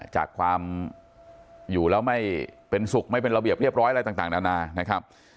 จากความอยู่แล้วไม่เป็นสุขไม่เป็นระเบียบเรียบร้อยอะไรต่างนานานะครับ